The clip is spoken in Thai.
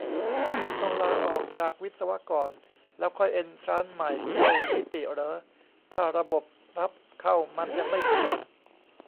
ต้องลาออกจากวิศวะก่อน แล้วค่อยเอ็นทรานซ์ใหม่เข้านิติเหรอ ถ้าระบบรับเข้ามันยังไม่เปลี่ยน ?